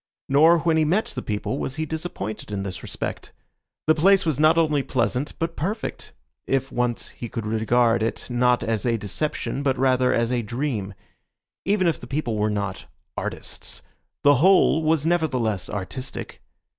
Nor when he met the people was he disappointed in this respect. The place was not only pleasant, but perfect, if once he could regard it not as a deception but rather as a dream. Even if the people were not "artists," the whole was nevertheless artistic.